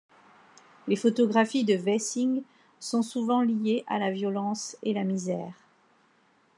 Les photographies de Wessing sont souvent liées à la violence et la misère.